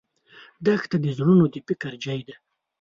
دښته د زړونو د فکر ځای دی.